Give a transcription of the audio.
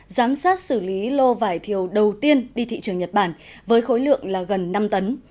giám sát xử lý lô vải thiều đầu tiên đi thị trường nhật bản với khối lượng là gần năm tấn